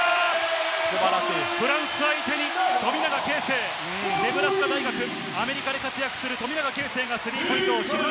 フランス相手に富永啓生、ネブラスカ大学、アメリカで活躍する富永啓生がスリーポイントです。